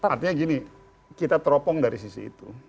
artinya gini kita teropong dari sisi itu